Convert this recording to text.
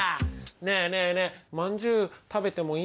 ねえねえねえまんじゅう食べてもいい？